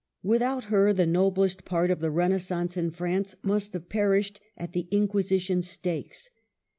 Without her, the noblest part of the Renaissance in France must have perished at the Inquisition stakes.